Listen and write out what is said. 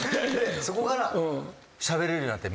そこからしゃべれるようになってみんなと。